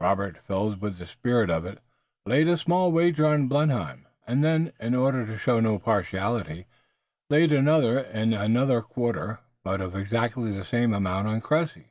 Robert, filled with the spirit of it, laid a small wager on Blenheim, and then, in order to show no partiality, laid another in another quarter, but of exactly the same amount on Cressy.